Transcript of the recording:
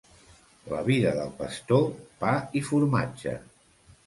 La vida del pastor, pa i formatge.